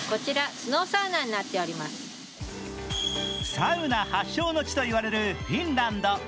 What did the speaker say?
サウナ発祥の地といわれるフィンランド。